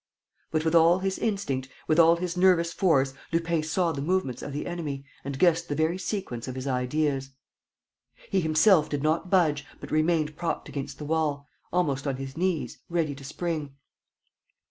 But, with all his instinct, with all his nervous force, Lupin saw the movements of the enemy and guessed the very sequence of his ideas. He himself did not budge, but remained propped against the wall, almost on his knees, ready to spring.